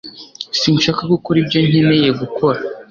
Sinshaka gukora ibyo nkeneye gukora